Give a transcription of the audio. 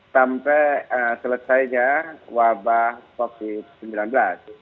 sampai selesainya wabah covid sembilan belas